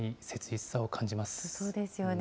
そうですよね。